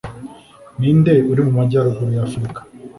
Ninde uri mu majyaruguru y’afurika?